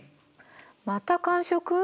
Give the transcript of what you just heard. また間食？